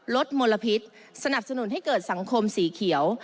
มลพิษสนับสนุนให้เกิดสังคมสีเขียว